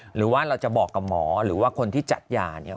หรือว่าเราจะบอกกับหมอหรือว่าคนที่จัดยาเนี่ย